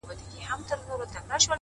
لوی واړه به پر سجده ورته پراته وي -